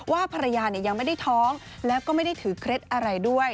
ว่าภรรยายังไม่ได้ท้องแล้วก็ไม่ได้ถือเคล็ดอะไรด้วย